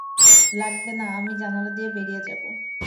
লাগবেনা আমি জানালা দিয়ে বেরিয়ে যাবো।